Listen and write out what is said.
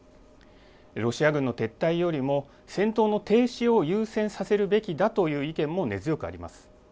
ロシア軍の撤退よりも戦闘の停止を優先させるべきだという意見も根強くあります。